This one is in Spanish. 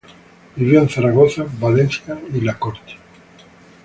Vivió en Zaragoza, Valencia y la Corte.